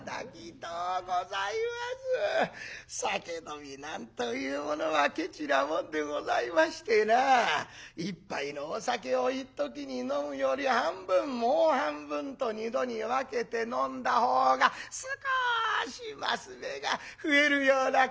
酒飲みなんというものはケチなもんでございましてな１杯のお酒をいっときに飲むより半分もう半分と２度に分けて飲んだほうが少し升目が増えるような気がいたしまして。